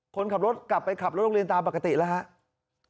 คนขับรถกลับไปขับรถโรงเรียนตามปกติแล้วครับ